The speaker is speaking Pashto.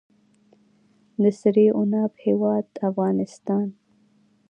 د سرې عناب هیواد افغانستان.